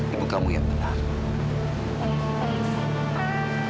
ibu kamu yang benar